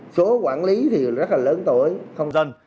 số quản lý thì rất là lớn tuổi